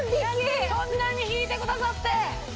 そんなに引いてくださって！